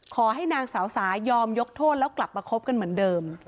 ขอให้นางสาวสายอมยกโทษแล้วกลับมาคบกันเหมือนเดิม